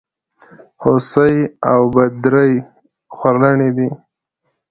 هوسۍ او بدرۍ خورلڼي دي.